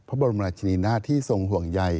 พระบรมราชินีนาที่ทรงห่วงใย